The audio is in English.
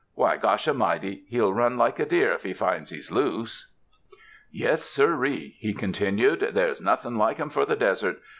Why, gosh a 'mighty, he'll run like a deer, if he finds he's loose. ''Yes, sirree," he continued, "there's nothin' like 'em for the desert.